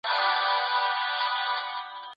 مونږ باید خپله ټولنه وپیژنو.